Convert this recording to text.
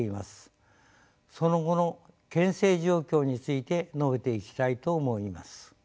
その後の県政状況について述べていきたいと思います。